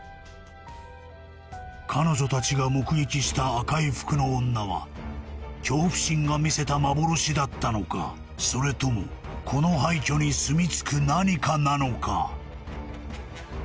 彼女達が目撃した赤い服の女は恐怖心が見せた幻だったのかそれともこの廃墟にすみつく何かなのか